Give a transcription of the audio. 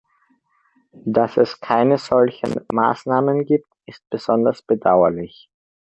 Dass es keine solchen Maßnahmen gibt, ist besonders bedauerlich.